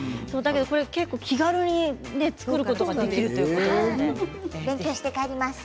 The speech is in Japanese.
気軽に作ることができるということで。